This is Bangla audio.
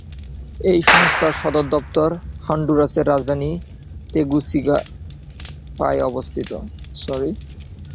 এই সংস্থার সদর দপ্তর হন্ডুরাসের রাজধানী তেগুসিগালপায় অবস্থিত।